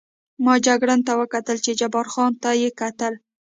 ما جګړن ته وکتل، چې جبار خان ته یې کتل.